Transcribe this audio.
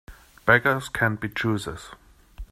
Beggars can't be choosers.